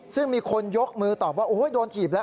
ซึ่งมีคนยกมือตอบว่าโอ้โหโดนถีบแล้ว